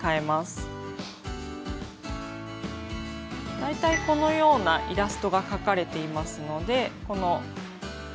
大体このようなイラストが描かれていますのでこの種類を選びます。